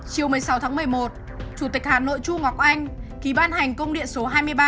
chiều một mươi sáu tháng một mươi một chủ tịch hà nội chu ngọc anh ký ban hành công điện số hai mươi ba